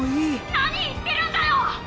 「何言ってるんだよ！」。